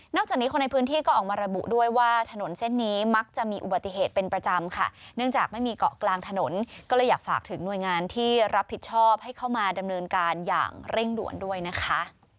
จากนี้คนในพื้นที่ก็ออกมาระบุด้วยว่าถนนเส้นนี้มักจะมีอุบัติเหตุเป็นประจำค่ะเนื่องจากไม่มีเกาะกลางถนนก็เลยอยากฝากถึงหน่วยงานที่รับผิดชอบให้เข้ามาดำเนินการอย่างเร่งด่วนด้วยนะคะ